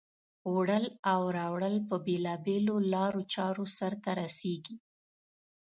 وړل او راوړل په بېلا بېلو لارو چارو سرته رسیږي.